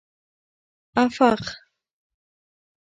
افغ